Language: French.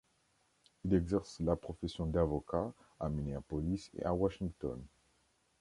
Il exerce la profession d'avocat à Minneapolis et à Washington.